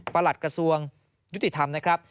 หลัดกระทรวงยุติธรรมนะครับ